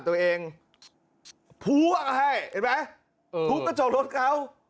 ถูกกระจกรถเขา